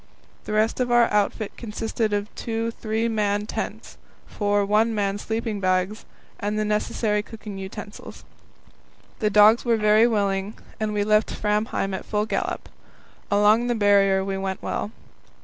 The rest of our outfit consisted of two three man tents, four one man sleeping bags, and the necessary cooking utensils. The dogs were very willing, and we left Framheim at full gallop. Along the Barrier we went well.